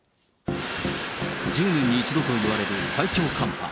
１０年に一度といわれる最強寒波。